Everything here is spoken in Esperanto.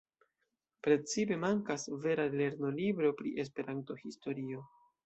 Precipe mankas vera lernolibro pri Esperanto-historio.